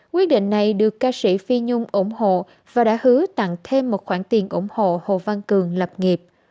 quyết định này được ca sĩ phi nhung ủng hộ và đã hứa tặng thêm một khoản tiền ủng hộ hồ văn cường lập nghiệp